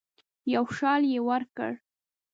یو شال یې ورکړ.